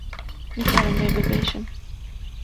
- Nikarim vê bibêjim.